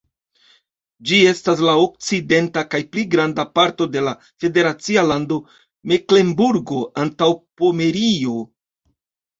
Ĝi estas la okcidenta kaj pli granda parto de la federacia lando Meklenburgo-Antaŭpomerio.